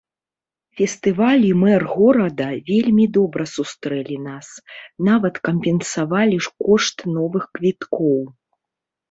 Фестываль і мэр горада вельмі добра сустрэлі нас, нават кампенсавалі кошт новых квіткоў.